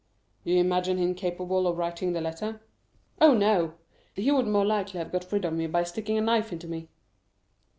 "You imagine him capable of writing the letter?" "Oh, no; he would more likely have got rid of me by sticking a knife into me."